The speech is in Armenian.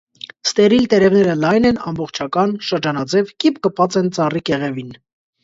Ստերիլ տերևները լայն են, ամբողջական, շրջանաձև, կիպ կպած են ծառի կեղևին։